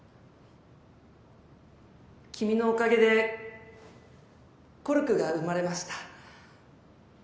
君のおかげでＫＯＲＵＫＵが生まれました。